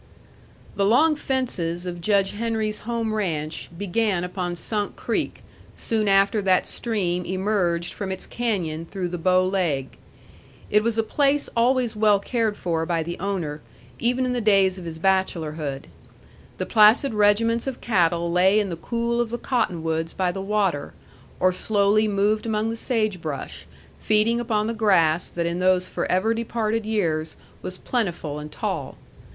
The long fences of Judge Henry's home ranch began upon Sunk Creek soon after that stream emerged from its canyon through the Bow Leg. It was a place always well cared for by the owner, even in the days of his bachelorhood. The placid regiments of cattle lay in the cool of the cottonwoods by the water, or slowly moved among the sage brush, feeding upon the grass that in those forever departed years was plentiful and tall.